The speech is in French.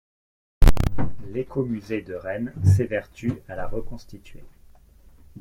L'écomusée de Rennes s'évertue à la reconstituer.